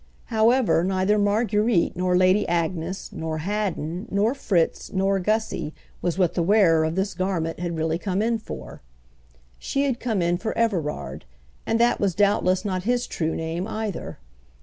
However, neither Marguerite nor Lady Agnes nor Haddon nor Fritz nor Gussy was what the wearer of this garment had really come in for. She had come in for Everard—and that was doubtless not his true name either.